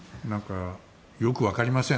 よくわかりません。